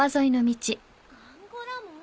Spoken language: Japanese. アンゴラモン。